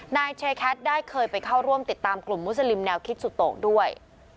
นายเชแคทได้เคยไปเข้าร่วมติดตามกลุ่มมุสลิมแนวคิดสุโตะด้วย